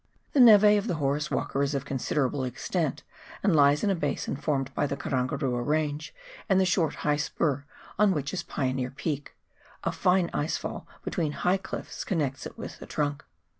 The neve of the Horace Walker is of considerable extent and lies in a basin formed by the Karangarua Range and the short high spur on which is Pioneer Peak ; a time ice fall between high cliffs connects it with the trunk.